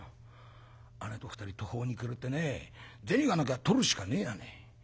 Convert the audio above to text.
姉と２人途方に暮れてね銭がなきゃとるしかねえやね。